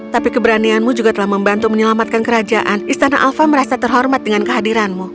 tapi keberanianmu juga telah membantu menyelamatkan kerajaan istana alfa merasa terhormat dengan kehadiranmu